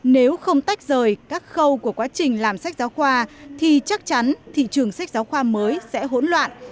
nếu không tách rời các khâu của quá trình làm sách giáo khoa thì chắc chắn thị trường sách giáo khoa mới sẽ hỗn loạn